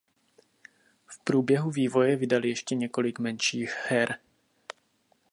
V průběhu vývoje vydali ještě několik menších her.